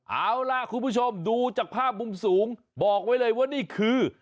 เอาล่ะคุณผู้ชมดูจากภาพมุมสูงบอกไว้เลยว่านี่คือ